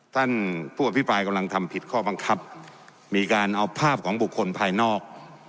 ท่านผู้อภิปรายกำลังทำผิดข้อบังคับมีการเอาภาพของบุคคลภายนอก